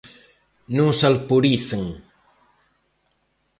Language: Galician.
¡Non se alporicen!